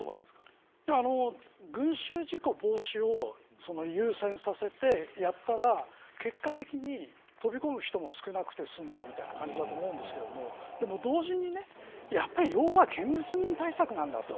群衆事故防止を優先させてやったら結果的に飛び込む人も少なくて済んだ、みたいな感じだと思うんですけどでも同時に要は、見物人対策なんだと。